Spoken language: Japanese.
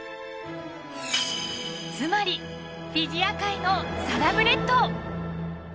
つまりフィギュア界のサラブレッド。